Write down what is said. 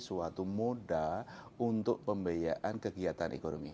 suatu moda untuk pembiayaan kegiatan ekonomi